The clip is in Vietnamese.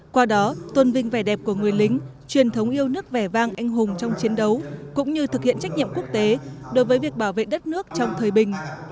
qua đó tôn vinh vẻ đẹp của người lính truyền thống yêu nước vẻ vang anh hùng trong chiến đấu cũng như thực hiện trách nhiệm quốc tế đối với việc bảo vệ đất nước trong thời bình